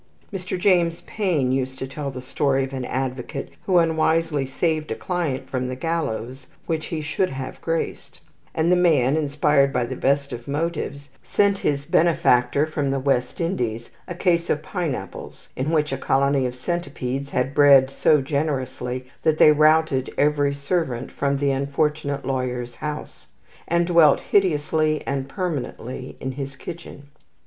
Mr. James Payn used to tell the tale of an advocate who unwisely saved a client from the gallows which he should have graced; and the man, inspired by the best of motives, sent his benefactor from the West Indies a case of pineapples in which a colony of centipedes had bred so generously that they routed every servant from the unfortunate lawyer's house, and dwelt hideously and permanently in his kitchen.